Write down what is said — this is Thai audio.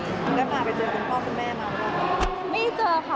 ได้ฝากไปเจอคุณพ่อคุณแม่มาหรือเปล่า